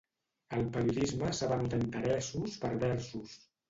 El periodisme s'ha venut a interessos perversos.